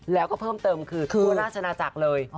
แล้วก็เพิ่มเติมคือทั่วราชนาจักรเลย